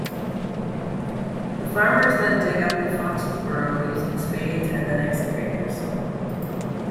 The farmers then dig up the Foxes' burrow using spades and then excavators.